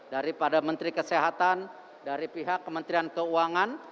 daripada menteri kesehatan dari pihak kementerian keuangan